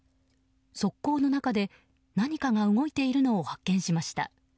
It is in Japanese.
側溝の中で何かが動いているのを発見しました。